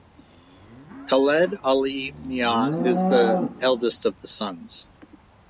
Khaled Ali Miah is the eldest of the sons.